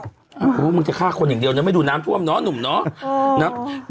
กลัวว่ามึงจะคล้าคนอย่างเดียวนะไม่ดูน้ำท่วมนะหนุ่มน้อง